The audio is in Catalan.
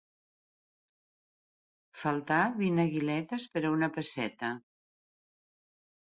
Faltar vint aguiletes per a una pesseta.